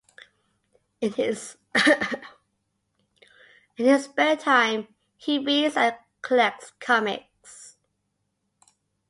In his spare time, he reads and collects comics.